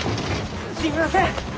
すみません！